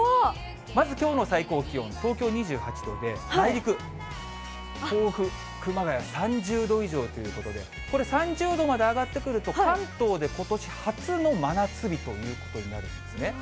まずきょうの最高気温、東京２８度で、内陸、甲府、熊谷、３０度以上ということで、これ、３０度まで上がってくると、関東でことし初の真夏日ということになるんですね。